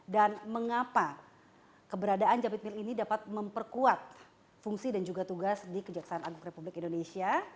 dan mengapa keberadaan jampit mil ini dapat memperkuat fungsi dan juga tugas di kejaksaan agung republik indonesia